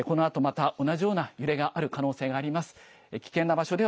このあとまた同じような揺れがある可能性があります。